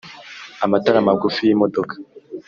amatara magufi y' imodoka